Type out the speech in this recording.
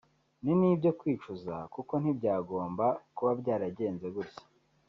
ni n’ibyo kwicuza kuko ntibyagomba kuba byaragenze gutya